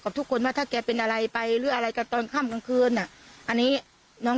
ทุกคนว่าถ้าแกเป็นอะไรไปหรืออะไรกันตอนค่ำกลางคืนอ่ะอันนี้น้อง